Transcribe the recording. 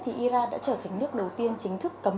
thì iran đã trở thành nước đầu tiên chính thức cấm pokemon go